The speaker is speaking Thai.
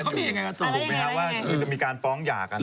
บอกไหมครับว่าจะมีการฟ้องหยากัน